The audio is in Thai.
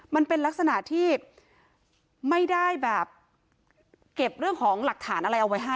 มันเป็นลักษณะที่ไม่ได้แบบเก็บเรื่องของหลักฐานอะไรเอาไว้ให้